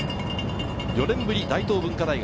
４年ぶり大東文化大学。